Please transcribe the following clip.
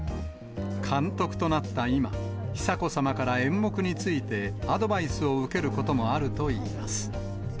監督となった今、久子さまから演目についてアドバイスを受けることもあるといいます。